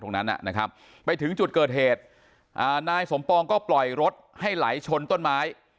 ตรงนั้นนะครับไปถึงจุดเกิดเหตุนายสมปองก็ปล่อยรถให้ไหลชนต้นไม้